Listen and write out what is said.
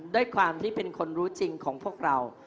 ด้วยความที่เป็นคนรู้จริงของพวกเรา